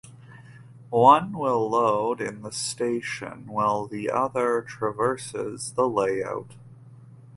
One will load in the station while the other traverses the layout.